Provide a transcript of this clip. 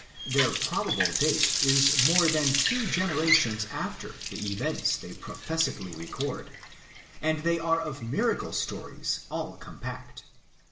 Their probable date is more than two generations after the events they professedly record, and they are of miracle stories all compact.